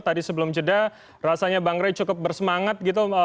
tadi sebelum jeda rasanya bang rey cukup bersemangat gitu